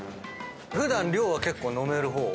普段量は結構飲める方？